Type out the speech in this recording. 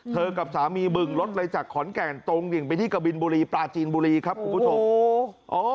กับสามีบึงรถเลยจากขอนแก่นตรงดิ่งไปที่กะบินบุรีปลาจีนบุรีครับคุณผู้ชมโอ้โห